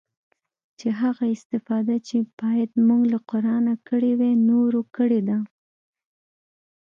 چې هغه استفاده چې بايد موږ له قرانه کړې واى نورو کړې ده.